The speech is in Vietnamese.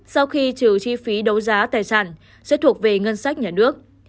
sau khi trừ chi phí đấu giá tài sản sẽ thuộc về ngân sách nhà nước